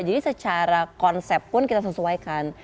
jadi secara konsep pun kita sesuaikan